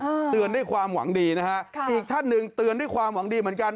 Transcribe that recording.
เตือนด้วยความหวังดีนะฮะค่ะอีกท่านหนึ่งเตือนด้วยความหวังดีเหมือนกัน